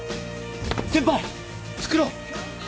先輩作ろう！